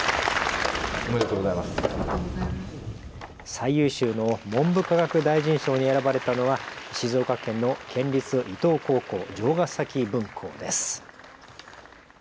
最優秀の文部科学大臣賞に選ばれたのは静岡県の県立伊東高校城ヶ崎分校です。